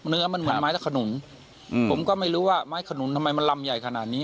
เนื้อมันเหมือนไม้ตะขนุนผมก็ไม่รู้ว่าไม้ขนุนทำไมมันลำใหญ่ขนาดนี้